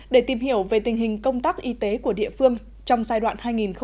để tìm hiểu về tình hình công tác y tế của địa phương trong giai đoạn hai nghìn một mươi sáu hai nghìn hai mươi